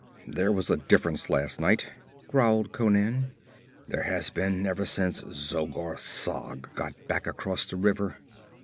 'There was a difference last night,' growled Conan. 'There has been ever since Zogar Sag got back across the river.'